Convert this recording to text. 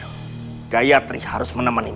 sehingga gayatri harus menemanimu